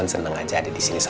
untuk melakukan tes ulangnya